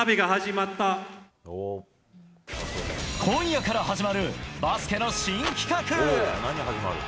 今夜から始まるバスケの新企画。